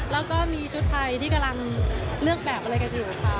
แล้วก็มีชุดไทยที่กำลังเลือกแบบอะไรกันอยู่ค่ะ